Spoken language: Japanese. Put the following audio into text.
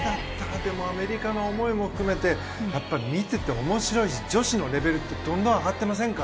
でもアメリカの思いも含めて見てて面白いし女子のレベルってどんどん上がってませんか。